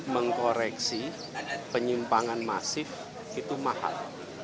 mengkoreksi penyimpangan masif itu mahal